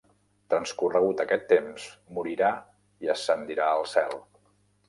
Transcorregut aquest temps, morirà i ascendirà al cel.